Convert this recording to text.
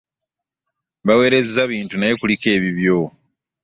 Baweereza bintu naye kuliko ebibyo?